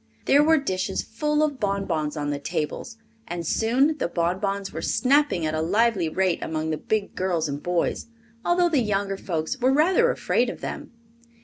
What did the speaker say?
There were dishes full of bonbons on the tables, and soon the bonbons were snapping at a lively rate among the big girls and boys, although the younger folks were rather afraid of them.